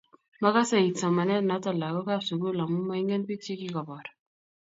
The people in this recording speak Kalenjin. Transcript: magasee it somanet noto lagookab sugulamu maingeen biik chegigoboor